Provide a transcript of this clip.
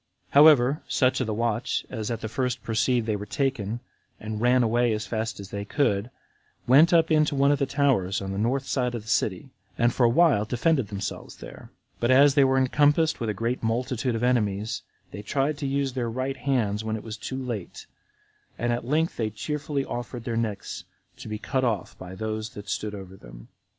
35. However, such of the watch as at the first perceived they were taken, and ran away as fast as they could, went up into one of the towers on the north side of the city, and for a while defended themselves there; but as they were encompassed with a multitude of enemies, they tried to use their right hands when it was too late, and at length they cheerfully offered their necks to be cut off by those that stood over them.